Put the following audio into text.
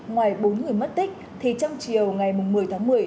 ngoài bốn người mất tích thì trong chiều ngày một mươi tháng một mươi